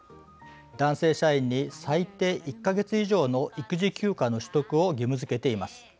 男性社員に最低１か月以上の育児休暇の取得を義務づけています。